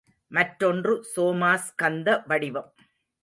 மற்றொன்று சோமாஸ் கந்தவடிவம்.